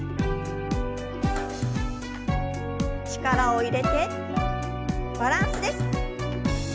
力を入れてバランスです。